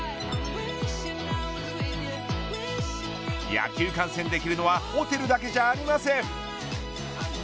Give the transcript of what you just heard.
野球観戦できるのはホテルだけじゃありません。